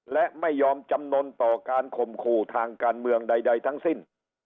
และไม่ยอมจำนวนต่อการข่มขู่ทางการเมืองใดทั้งสิ้น